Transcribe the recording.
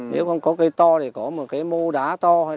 nếu không có cây to thì có một cái mô đá to